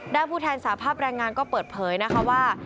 ผู้แทนสาภาพแรงงานก็เปิดเผยนะคะว่า